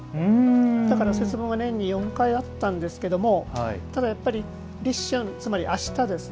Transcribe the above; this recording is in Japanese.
だから節分は年に４回あったんですけどもただ立春、つまりあしたですね。